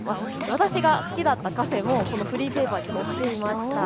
私が好きだったカフェもこのフリーペーパーに載っていました。